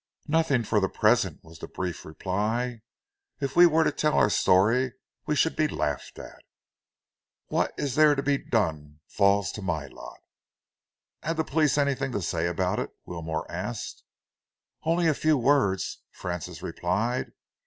"Nothing for the present," was the brief reply. "If we were to tell our story, we should only be laughed at. What there is to be done falls to my lot." "Had the police anything to say about it?" Wilmore asked. "Only a few words," Francis replied.